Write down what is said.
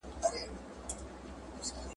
دا د ټولو مسلمانانو ګډه دنده او مسؤلیت دی.